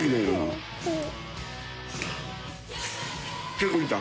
結構いった。